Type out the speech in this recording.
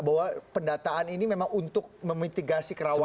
bahwa pendataan ini memang untuk memitigasi kerawanan